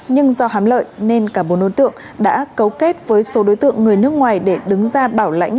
nhưng do hám lợi nên cả bốn đối tượng đã cấu kết với số đối tượng người nước ngoài để đứng ra bảo lãnh